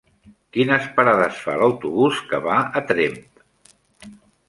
Quines parades fa l'autobús que va a Tremp?